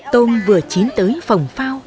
tôm vừa chín tới phồng phao